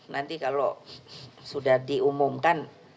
nanti kalau sudah diumumkan